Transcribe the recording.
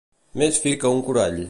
Més fi que un corall.